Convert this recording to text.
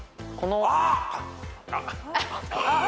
あっ！